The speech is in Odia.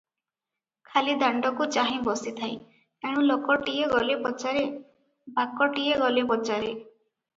ଖାଲି ଦାଣ୍ତକୁ ଚାହିଁ ବସିଥାଏ, ଏଣୁ ଲୋକଟିଏ ଗଲେ ପଚାରେ, ବାକଟିଏ ଗଲେ ପଚାରେ ।"